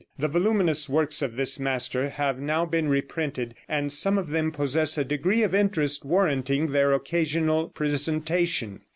The voluminous works of this master have now been reprinted, and some of them possess a degree of interest warranting their occasional presentation.